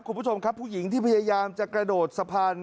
คุณผู้ชมครับผู้หญิงที่พยายามจะกระโดดสะพาน